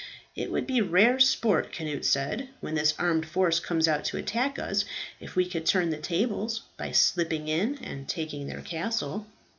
"It would be rare sport," Cnut said, "when this armed force comes out to attack us, if we could turn the tables by slipping in, and taking their castle."